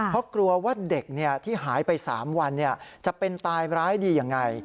เพราะกลัวว่าเด็กที่หายไป๓วันจะเป็นตายร้ายดียังไง